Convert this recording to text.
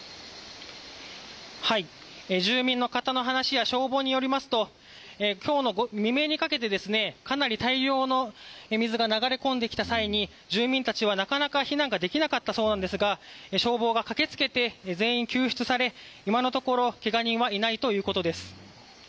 住民の方の話や消防によりますと今日の未明にかけてかなり大量の水が流れ込んできた際に住民たちはなかなか避難ができなかったそうですが消防が駆けつけて全員救出され、今のところけが人はいないということです。